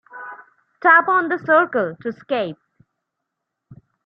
Tap on the circle to escape.